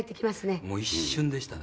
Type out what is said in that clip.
谷村：もう、一瞬でしたね。